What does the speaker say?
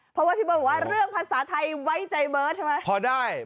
เพราะว่าพี่เบิร์ตบอกว่าเรื่องภาษาไทยไว้ใจเบิร์ตใช่ไหมพอได้